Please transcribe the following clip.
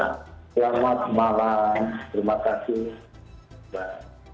selamat malam terima kasih